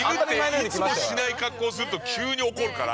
いつもしない格好すると急に怒るから。